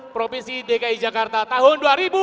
profesi dki jakarta tahun dua ribu tujuh belas